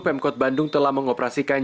pemkot bandung telah mengoperasikan